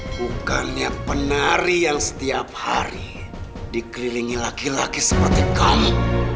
bukannya penari yang setiap hari dikelilingi laki laki seperti kamu